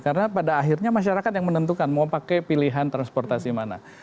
karena pada akhirnya masyarakat yang menentukan mau pakai pilihan transportasi mana